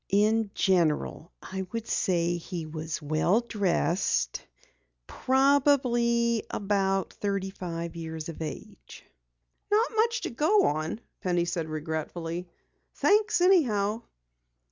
"In general I should say he was well dressed probably about thirty five years of age." "Not much to go on," Penny said regretfully. "Thanks anyhow."